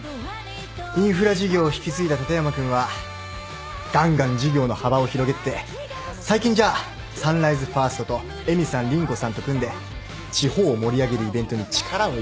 インフラ事業を引き継いだ立山君はガンガン事業の幅を広げてて最近じゃサンライズファーストと絵美さん凛子さんと組んで地方を盛り上げるイベントに力を入れてたり。